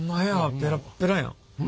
ペラッペラや。